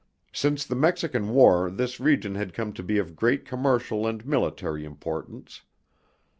Since the Mexican War this region had come to be of great commercial and military importance.